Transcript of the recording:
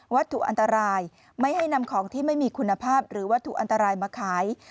ถูกอันตรายไม่ให้นำของที่ไม่มีคุณภาพหรือวัตถุอันตรายมาขาย